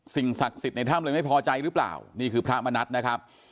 ศักดิ์สิทธิ์ในถ้ำเลยไม่พอใจหรือเปล่านี่คือพระมณัฐนะครับ